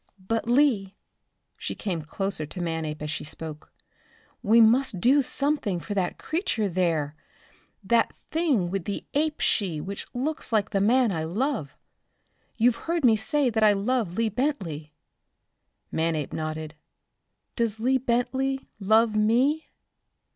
"But, Lee," she came closer to Manape as she spoke "we must do something for that creature there that thing with the ape she which looks like the man I love. You've heard me say that I love Lee Bentley?" Manape nodded. "Does Lee Bentley love me?"